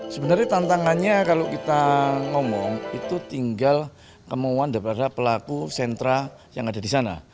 sebenarnya tantangannya kalau kita ngomong itu tinggal kemauan daripada pelaku sentra yang ada di sana